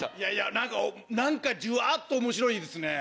何か何かジュワっと面白いですね。